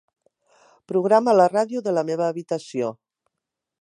Programa la ràdio de la meva habitació.